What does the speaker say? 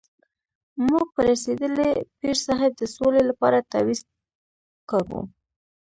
موږ په رسېدلي پیر صاحب د سولې لپاره تعویض کاږو.